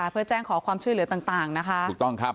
เพื่อแจ้งขอความช่วยเหลือต่างนะฮะ